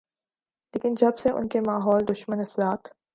لیکن جب سے ان کے ماحول دشمن اثرات